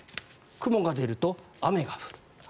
雲が出ると雨が降る。